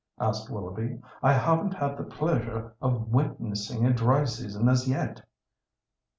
asked Willoughby. "I haven't had the pleasure of witnessing a dry season as yet."